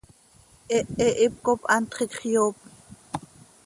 Hehe hipcop hantx iicx yoop.